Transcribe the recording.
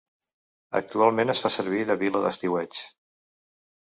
Actualment es fa servir de vila d'estiueig.